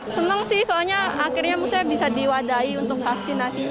senang sih soalnya akhirnya bisa diwadai untuk vaksinasi